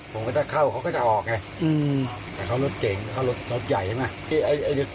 ผมก็จะเข้าเขาก็จะออกไงแต่เขารถเก่งเข้ารถรถใหญ่ใช่ไหม